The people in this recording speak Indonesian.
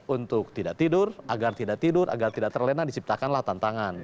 untuk tidak tidur agar tidak tidur agar tidak terlena diciptakanlah tantangan